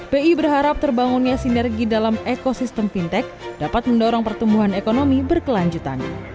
bi berharap terbangunnya sinergi dalam ekosistem fintech dapat mendorong pertumbuhan ekonomi berkelanjutan